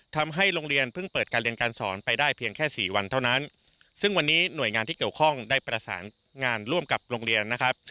ทำให้โรงเรียนเพิ่งเปิดการเรียนการสอนไปได้เพียงแค่สี่วันเท่านั้นซึ่งวันนี้หน่วยงานที่เกี่ยวข้องได้ประสานงานร่วมกับโรงเรียนนะครับ